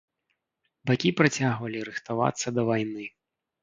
Бакі працягвалі рыхтавацца да вайны.